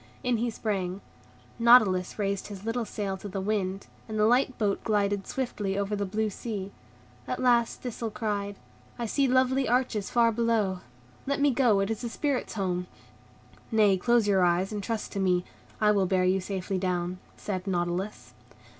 In he sprang. Nautilus raised his little sail to the wind, and the light boat glided swiftly over the blue sea. At last Thistle cried, "I see lovely arches far below; let me go, it is the Spirits' home." "Nay, close your eyes, and trust to me. I will bear you safely down," said Nautilus.